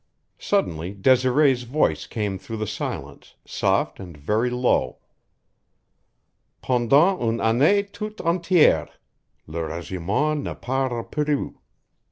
Suddenly Desiree's voice came through the silence, soft and very low: "Pendant une anne' toute entiere, Le regiment na Pas r'paru.